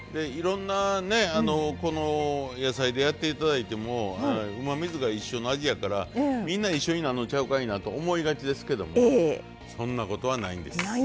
いろんなね野菜でやって頂いてもうまみ酢が一緒の味やからみんな一緒になんのちゃうかいなと思いがちですけどもそんなことはないんです。